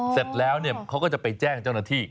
เสร็จแล้วเขาก็จะไปแจ้งเจ้าหน้าที่